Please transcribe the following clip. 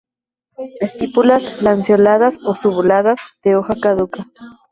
Estípulas lanceoladas o subuladas, de hoja caduca.